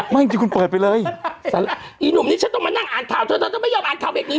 ไม่จริงคุณเปิดไปเลยแสละอีหนุ่มนี้ฉันต้องมานั่งอ่านเท้าเธอ